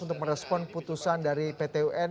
untuk merespon putusan dari pt un